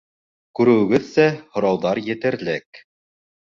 Күреүегеҙсә, һорауҙар етерлек.